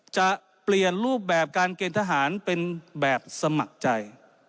จะเปลี่ยนรูปแบบการเกณฑ์ทหารเป็นแบบสมัครใจ